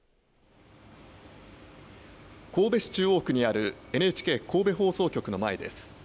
神戸市中央区にあるＮＨＫ神戸放送局の前です。